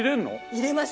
入れます！